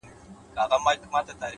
مثبت ذهن د بدلون هرکلی کوي,